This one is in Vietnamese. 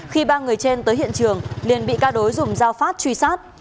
khi ba người trên tới hiện trường liền bị các đối dùng dao phát truy sát